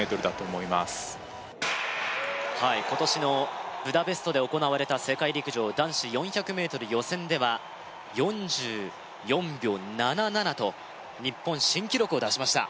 はい今年のブダペストで行われた世界陸上男子４００ｍ予選では４４秒７７と日本新記録を出しました